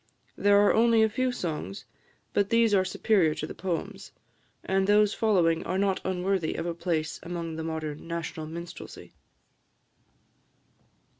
There are only a few songs, but these are superior to the poems; and those following are not unworthy of a place among the modern national minstrelsy.